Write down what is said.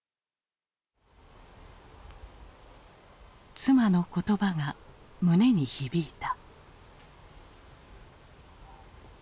妻の言葉が胸に響いた。